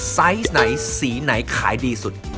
ไซส์ไหนสีไหนขายดีสุด